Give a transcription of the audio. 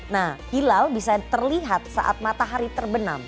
nah hilal bisa terlihat saat matahari terbenam